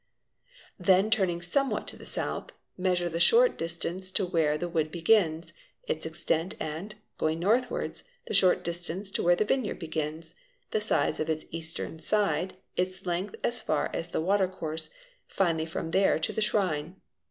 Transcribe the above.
Then, turning somewhat to the south, measure the short distance to where the vood begins, its extent and, going northwards, the short distance to Where the vineyard begins, the size of its eastern side, its length as far us the water course, finally from there to the shrine.